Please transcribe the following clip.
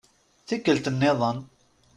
Tikkelt nniḍen.